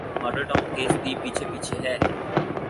Model Town case بھی پیچھے پیچھے ہے۔